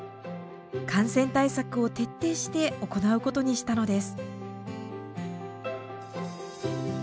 感染対策を徹底して行うことにしたのです。